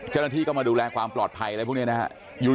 เจ้าหน้าที่ก็มาดูแลความปลอดภัยอะไรพวกนี้นะครับ